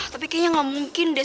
tapi kayaknya gak mungkin deh